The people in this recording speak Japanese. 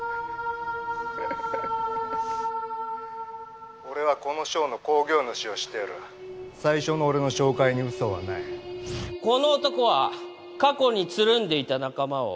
ヘッヘッヘ俺はこのショーの興行主をしてる最初の俺の紹介に嘘はないこの男は過去につるんでいた仲間を